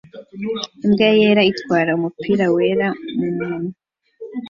Imbwa yera itwara umupira wera mumunwa